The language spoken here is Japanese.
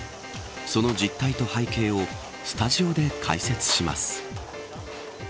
その実態と背景をスタジオで解説します。